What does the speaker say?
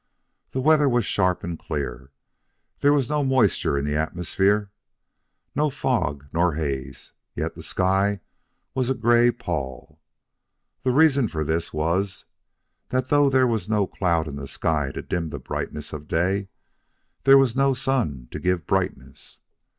The weather was sharp and clear; there was no moisture in the atmosphere, no fog nor haze; yet the sky was a gray pall. The reason for this was that, though there was no cloud in the sky to dim the brightness of day, there was no sun to give brightness.